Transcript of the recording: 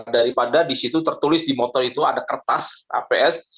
daripada di situ tertulis di motor itu ada kertas aps